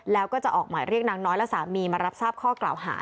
แล้วก็จะออกหมายเรียกนางน้อยและสามีมารับทราบข้อกล่าวหา